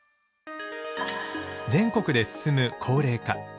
全国で進む高齢化。